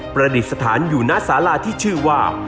ประดิษฐานอยู่ณสาราที่ชื่อว่า